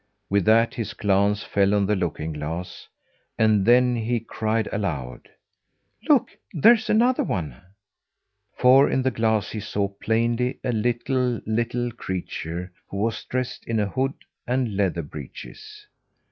With that, his glance fell on the looking glass; and then he cried aloud: "Look! There's another one!" For in the glass he saw plainly a little, little creature who was dressed in a hood and leather breeches.